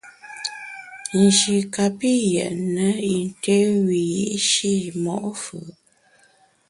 Nji kapi yètne yin té wiyi’shi mo’ fù’.